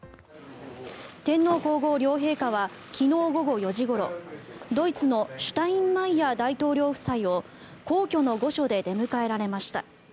天皇・皇后両陛下は昨日午後４時ごろドイツのシュタインマイヤー大統領夫妻を皇居の御所で出迎えられました。